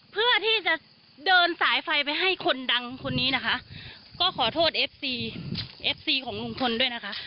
เพื่อที่จะเดินสายไฟไปให้คนดังคนนี้นะคะก็ขอโทษเอฟซีเอฟซีของลุงพลด้วยนะคะ